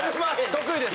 得意です